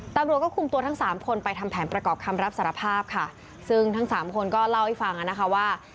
ตำรวจก็คุมตัวทั้งสามคนไปทำแผนประกอบคำรับสารภาพค่ะซึ่งทั้งสามคนก็เล่าให้ฟังอ่ะนะคะว่า